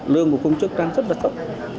lương của công chức đang rất là thấp